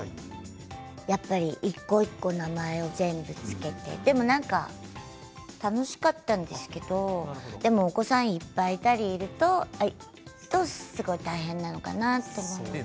でも、やっぱり一個一個名前を全部つけて楽しかったんですけどお子さんがいっぱいいたりするとすごく大変なのかなと思います。